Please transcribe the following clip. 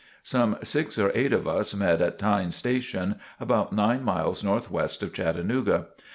Some six or eight of us met at Tyne's Station, about nine miles northwest of Chattanooga.